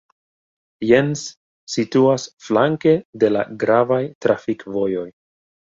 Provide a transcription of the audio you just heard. Jens situas flanke de la gravaj trafikvojoj.